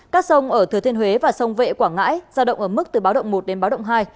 các sông ở thừa thiên huế và sông vệ quảng ngãi giao động ở mức từ báo động một đến báo động hai